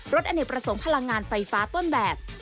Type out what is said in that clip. อเนกประสงค์พลังงานไฟฟ้าต้นแบบ